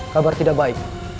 kabar tidak baik